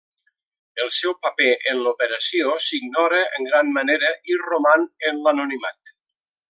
El seu paper en l'operació s'ignora en gran manera i roman en l'anonimat.